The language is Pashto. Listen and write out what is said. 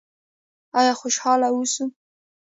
آیا خوشحاله اوسو؟